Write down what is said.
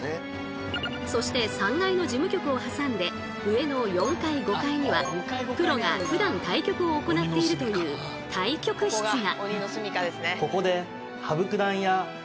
そして３階の事務局を挟んで上の４階５階にはプロがふだん対局を行っているという対局室が。